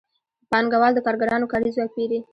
پانګوال د کارګرانو کاري ځواک پېري